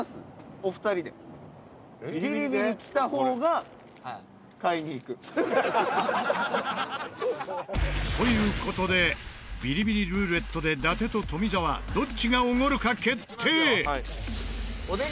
お二人で。という事でビリビリルーレットで伊達と富澤どっちがおごるか決定。